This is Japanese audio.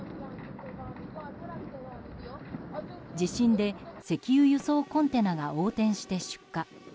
地震で石油輸送コンテナが横転して出火。